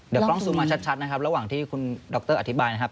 เดี๋ยวกล้องซูมมาชัดนะครับระหว่างที่คุณดรอธิบายนะครับ